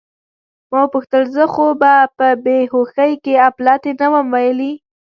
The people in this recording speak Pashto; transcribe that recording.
ما وپوښتل: زه خو به په بې هوښۍ کې اپلتې نه وم ویلي؟